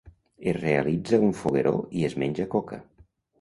Es realitza un fogueró i es menja coca.